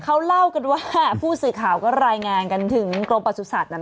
เขาเล่ากันว่าผู้สื่อข่าวก็รายงานกันถึงกรมประสุทธิ์สัตว์นั้นนะคะ